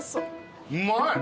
うまい。